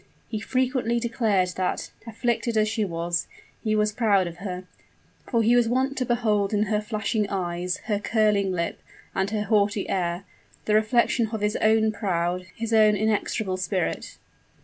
He frequently declared that, afflicted as she was, he was proud of her: for he was wont to behold in her flashing eyes her curling lip and her haughty air, the reflection of his own proud his own inexorable spirit.